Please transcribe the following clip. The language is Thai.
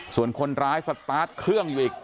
ส่วนคนร้ายสตาร์ทเครื่องอยู่อีก